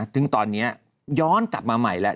ซึ่งตอนนี้ย้อนกลับมาใหม่แล้ว